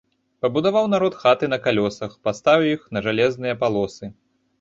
Пабудаваў народ хаты на калёсах, паставіў іх па жалезныя палосы.